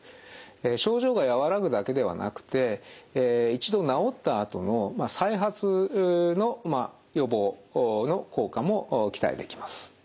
症状が和らぐだけではなくて一度治ったあとの再発の予防の効果も期待できます。